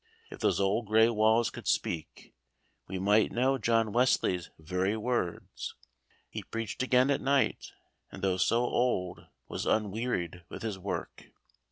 If those old grey walls could speak, we might know John Wesley's very words. He preached again at night, and though so old, was unwearied with his work.